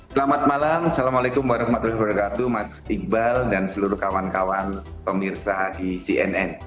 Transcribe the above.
selamat malam assalamualaikum warahmatullahi wabarakatuh mas iqbal dan seluruh kawan kawan pemirsa di cnn